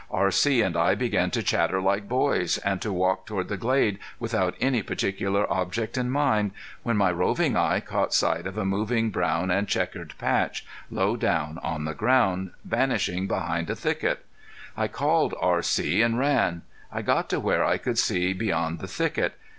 R.C. and I began to chatter like boys, and to walk toward the glade, without any particular object in mind, when my roving eye caught sight of a moving brown and checkered patch low down on the ground, vanishing behind a thicket. I called R.C. and ran. I got to where I could see beyond the thicket.